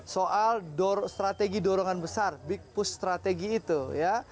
soal strategi dorongan besar big push strategi itu ya